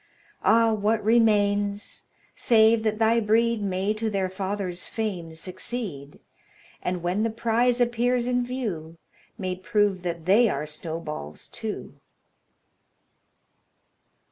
Ah! what remains? Save that thy breed May to their father's fame succeed; And when the prize appears in view, May prove that they are Snowballs too."